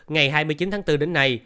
ngày hai mươi chín tháng bốn đến nay